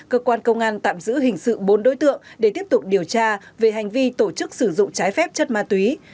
cơ quan công an tạm giữ hình sự bốn đối tượng để tiếp tục điều tra về hành vi tổ chức sử dụng trái phép chất ma túy